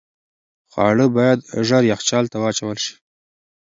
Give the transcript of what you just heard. خواړه باید ژر یخچال ته واچول شي.